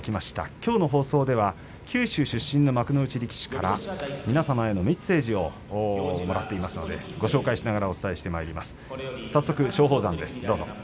きょうの放送では九州出身の幕内力士から皆様へのメッセージをもらっていますのでご紹介しながらお伝えしてまいります。